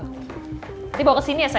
nanti bawa kesini ya sayang